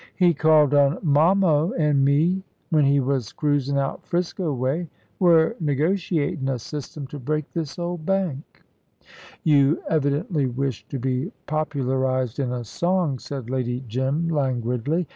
"He called on Mommo an' me, when he was cruisin' out 'Frisco way. We're negotiatin' a system to break this old bank." "You evidently wish to be popularised in a song," said Lady Jim, languidly.